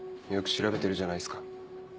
よく調べてるじゃないすか。